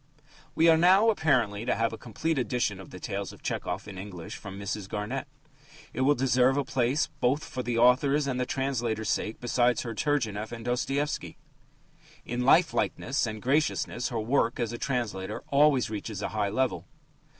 We are now apparently to have a complete edition of the tales of Tchehov in English from Mrs. Garnett. It will deserve a place, both for the author's and the translator's sake, beside her Turgenev and Dostoevsky. In lifelikeness and graciousness her work as a translator always reaches a high level.